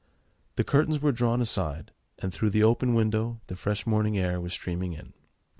The curtains were drawn aside, and through the open window the fresh morning air was streaming in.